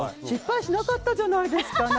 失敗しなかったじゃないですか。